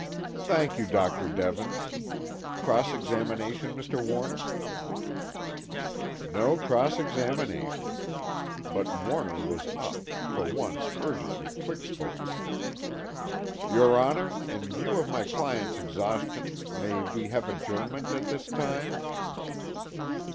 "Thank you, Dr. Devens. Cross examination, Mr. Warner?" "No cross examination." But Warner was up, for once urgently quick spoken. "Your Honor, in view of my client's exhaustion, may we have adjournment at this time?"